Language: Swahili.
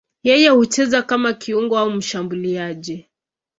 Yeye hucheza kama kiungo au mshambuliaji.